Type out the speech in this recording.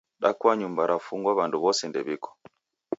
Dakua nyumba rafungwa w'andu w'ose ndew'iko